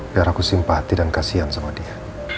biar aku simpati dan kasian sama dia